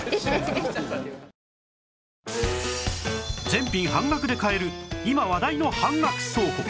全品半額で買える今話題の半額倉庫